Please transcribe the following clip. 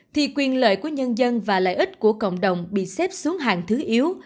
thì quyền lợi của nhân dân và lợi ích của cộng đồng bị xếp xuống hàng thứ yếu